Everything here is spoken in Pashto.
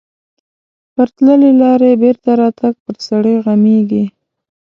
پر تللې لارې بېرته راتګ پر سړي غمیږي.